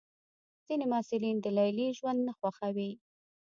ځینې محصلین د لیلیې ژوند نه خوښوي.